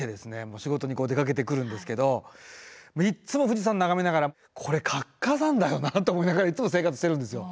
仕事にこう出かけてくるんですけどいっつも富士山眺めながらこれ活火山だよなと思いながらいっつも生活してるんですよ。